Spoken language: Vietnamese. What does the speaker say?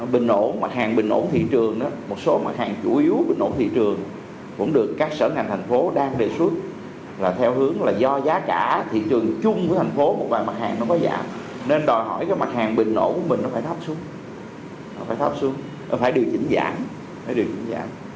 bình ổn mặt hàng bình ổn thị trường một số mặt hàng chủ yếu bình ổn thị trường cũng được các sở ngành thành phố đang đề xuất là theo hướng là do giá cả thị trường chung với thành phố một vài mặt hàng nó có giảm nên đòi hỏi cái mặt hàng bình ổn của mình nó phải thấp xuống phải thấp xuống phải điều chỉnh giảm phải điều chỉnh giảm